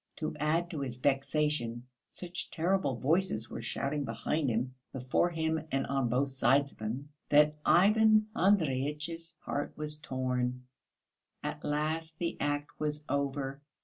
To add to his vexation, such terrible voices were shouting behind him, before him and on both sides of him, that Ivan Andreyitch's heart was torn. At last the act was over.